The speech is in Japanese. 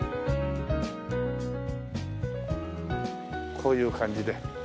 こういう感じで。